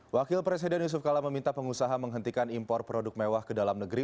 wakil presiden yusuf kala meminta pengusaha menghentikan impor produk mewah ke dalam negeri